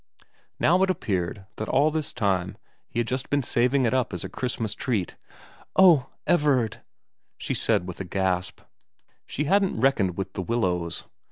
Now it appeared that all this time he had just been saving it up as a Christmas treat. * Oh, Everard !' she said, with a gasp. She hadn't reckoned with The Willows.